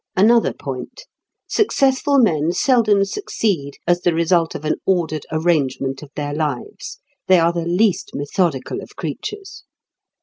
Another point: successful men seldom succeed as the result of an ordered arrangement of their lives; they are the least methodical of creatures.